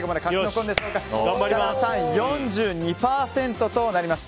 設楽さん、４２％となりました。